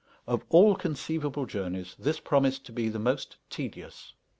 Of all conceivable journeys this promised to be the most tedious.